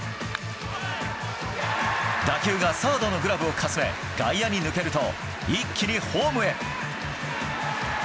打球がサードのグラブをかすめ外野に抜けると、一気にホームへ。